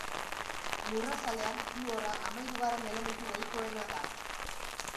Lurrazalean, fluorra hamahirugarren elementu ohikoena da.